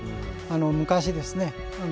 昔ですね